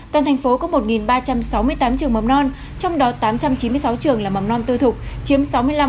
toàn thành phố có một ba trăm sáu mươi tám trường mầm non trong đó tám trăm chín mươi sáu trường là mầm non tư thục chiếm sáu mươi năm